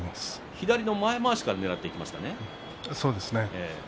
左の前まわしをねらっていきましたね。